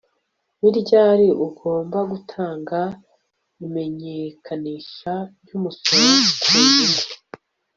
Ni ryari ugomba gutanga imenyekanisha ryumusoro ku nyungu